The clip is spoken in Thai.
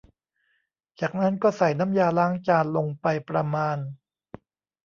จากนั้นก็ใส่น้ำยาล้างจานลงไปประมาณ